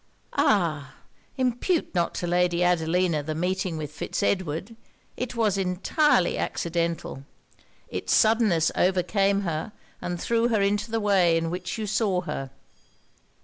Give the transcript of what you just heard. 'Ah! impute not to Lady Adelina the meeting with Fitz Edward; it was entirely accidental; it's suddenness overcame her, and threw her into the way in which you saw her.'